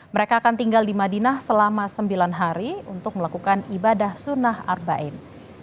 mereka akan tinggal di madinah selama sembilan hari untuk melakukan ibadah sunnah arbain